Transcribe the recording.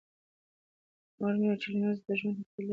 مور مې وویل چې لمونځ د ژوند تر ټولو لویه بریا ده.